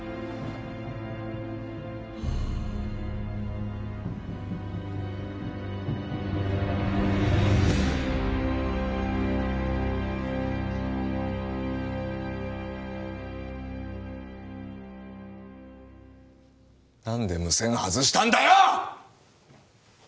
はあっ何で無線外したんだよっ！